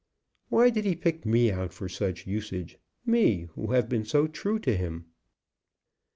Why did he pick me out for such usage, me who have been so true to him?"